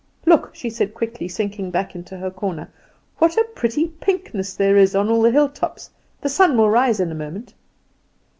Look," she said quickly, sinking back into her corner, "what a pretty pinkness there is on all the hilltops! The sun will rise in a moment."